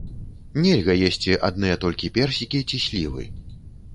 Нельга есці адныя толькі персікі ці слівы.